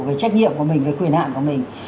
về trách nhiệm của mình với quyền hạn của mình